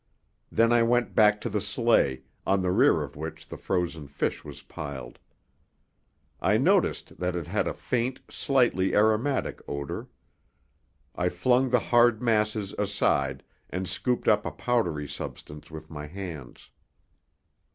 Then I went back to the sleigh, on the rear of which the frozen fish was piled. I noticed that it had a faint, slightly aromatic odor. I flung the hard masses aside and scooped up a powdery substance with my hands.